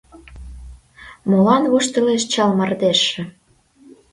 Молан воштылеш чал мардежше?